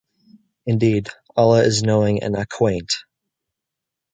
Indeed, Allah is Knowing and Acquainte.